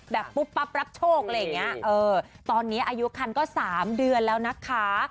ปุ๊บปั๊บรับโชคอะไรอย่างเงี้ยเออตอนนี้อายุคันก็๓เดือนแล้วนะคะ